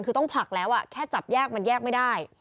คือต้องผลักแล้วแค่จับแยกมันแยกไม่ได้